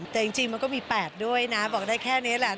แต่จริงมันก็มี๘ด้วยนะบอกได้แค่นี้แหละ